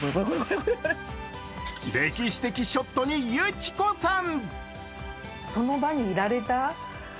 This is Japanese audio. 歴史的ショットに、ゆきこさん！